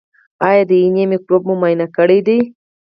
ایا د ینې مکروب مو معاینه کړی دی؟